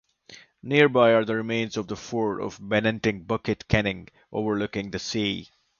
Nearby are the remains of the fort of Benteng Bukit Cening, overlooking the sea.